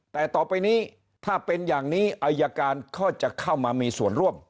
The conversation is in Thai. แต่ต่อไปนี้ถ้าเป็นอย่างนี้อายการก็จะเข้ามามีส่วนร่วม